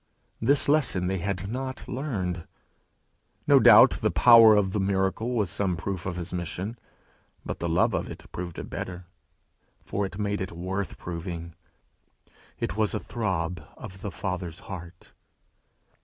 This lesson they had not learned. No doubt the power of the miracle was some proof of his mission, but the love of it proved it better, for it made it worth proving: it was a throb of the Father's heart.